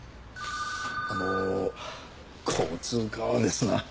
あの交通課はですな